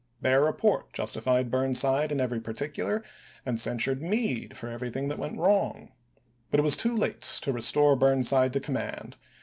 Their report justified Burnside in every particular, and censured Meade for everything that went wrong. But it was too late to restore Burn side to command.